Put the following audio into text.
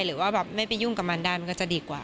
หรือว่าแบบไม่ไปยุ่งกับมันได้มันก็จะดีกว่า